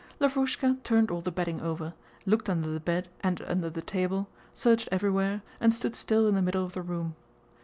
Lavrúshka turned all the bedding over, looked under the bed and under the table, searched everywhere, and stood still in the middle of the room.